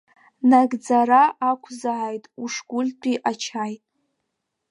Нагӡара ақәзааит Ушгәыльтәи ачаи!